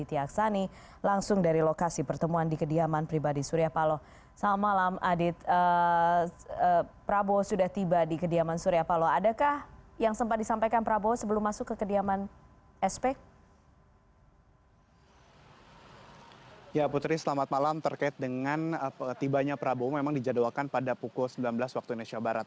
terkait dengan tibanya prabowo memang dijadwalkan pada pukul sembilan belas waktu indonesia barat